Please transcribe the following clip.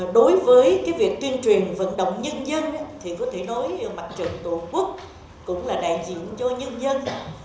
đối với việc tuyên truyền vận động nhân dân thì có thể nói mặt trận tổ quốc cũng là đại diện cho nhân dân